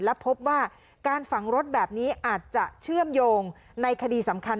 และพบว่าการฝังรถแบบนี้อาจจะเชื่อมโยงในคดีสำคัญ